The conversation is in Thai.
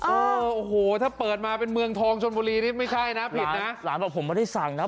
โอ้โหถ้าเปิดมาเป็นเมืองทองชนบุรีนี่ไม่ใช่นะผิดนะหลานบอกผมไม่ได้สั่งนะ